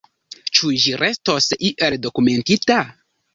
Ĉu ĝi restos iel dokumentita?